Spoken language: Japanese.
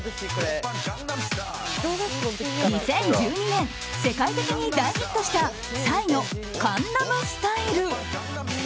２０１２年世界的に大ヒットしたＰＳＹの「江南スタイル」。